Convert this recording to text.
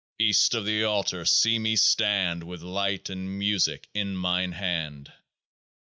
East of the Altar see me stand With Light and Musick in mine hand !